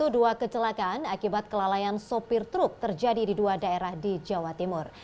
dua kecelakaan akibat kelalaian sopir truk terjadi di dua daerah di jawa timur